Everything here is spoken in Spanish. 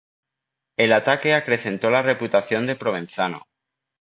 El ataque acrecentó la reputación de Provenzano.